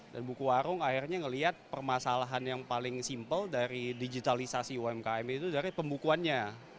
dan buku warung akhirnya melihat permasalahan yang paling simpel dari digitalisasi umkm itu dari pembukuannya